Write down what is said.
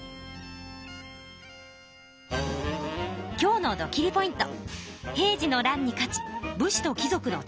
今日のドキリ★ポイント。